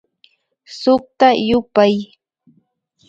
Sukta yupay